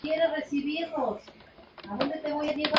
Construye sobre el framework de Java Server Faces.